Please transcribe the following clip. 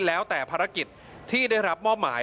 แล้วแต่ภารกิจที่ได้รับมอบหมาย